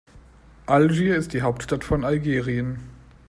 Algier ist die Hauptstadt von Algerien.